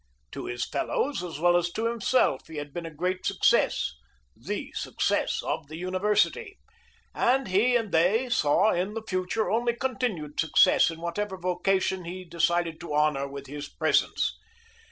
To his fellows, as well as to himself, he had been a great success the success of the university and he and they saw in the future only continued success in whatever vocation he decided to honor with his presence.